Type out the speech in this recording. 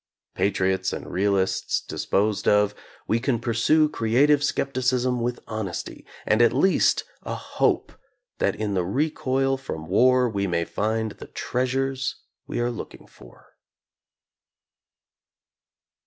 Patriots and realists disposed of, we can pur sue creative skepticism with honesty, and at least a hope that in the recoil from war we may find the treasures we are looking for.